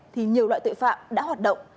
thì nhiều loại tội phạm đã hoạt động